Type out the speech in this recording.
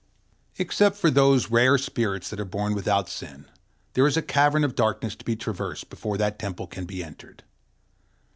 Except for those rare spirits that are born without sin, there is a cavern of darkness to be traversed before that temple can be entered.